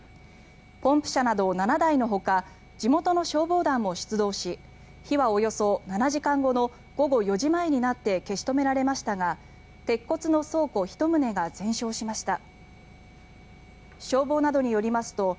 ポンプ車など７台のほか地元の消防団も出動し火はおよそ７時間後の午後４時前になって消し止められましたが鉄骨の倉庫１棟が全焼しました。